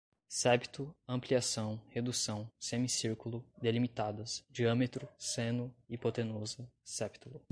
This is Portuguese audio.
septo, ampliação, redução, semicírculo, delimitadas, diâmetro, seno, hipotenusa, septulo